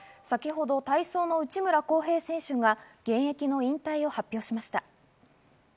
先ほど体操の内村航平選手が現役の引退を発表しました。